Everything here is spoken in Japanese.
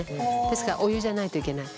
ですからお湯じゃないといけない。